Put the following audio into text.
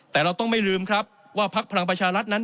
แต่เราต้องไม่ลืมครับว่าพักพลังประชารัฐนั้น